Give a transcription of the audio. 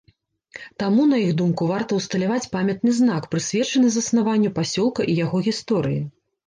Таму, на іх думку, варта ўсталяваць памятны знак, прысвечаны заснаванню пасёлка і яго гісторыі.